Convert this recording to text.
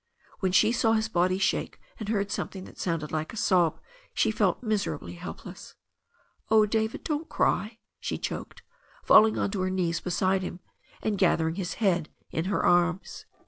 When she saw his body shake and heard something that sounded like a sob she felt miserably help less. "Oh, David, don't cry," she choked, falling on to her knees beside him, and gathering his head into her arms.